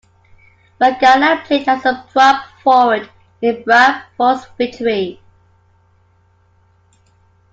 Vagana played as a prop forward in Bradford's victory.